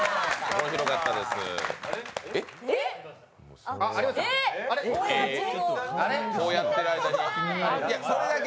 面白かったです。